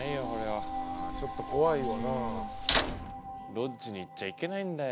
ロッジに行っちゃいけないんだよ。